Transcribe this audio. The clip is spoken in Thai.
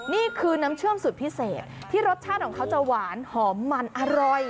นี่คือน้ำเชื่อมสูตรพิเศษที่รสชาติของเขาจะหวานหอมมันอร่อย